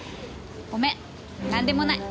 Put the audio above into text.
ごめんなんでもない。